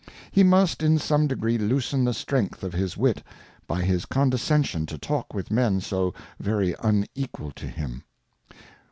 He must in some degree loosen the Strength of his Wit, by his Condescension to talk with Men so very unequal to him.